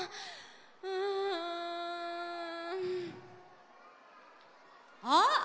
うん。あっ！